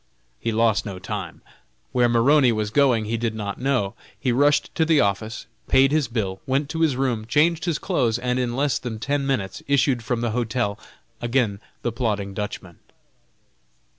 He lost no time. Where Maroney was going he did not know. He rushed to the office, paid his bill, went to his room, changed his clothes, and in less than ten minutes issued from the hotel, again the plodding Dutchman.